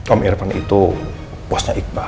om irfan itu bosnya iqbal